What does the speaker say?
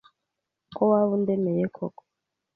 ko waba undemeye koko